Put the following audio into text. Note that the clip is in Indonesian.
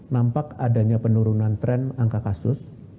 nampak adanya penurunan tren angka kasus